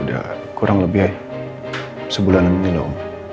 udah kurang lebih sebulanan ini loh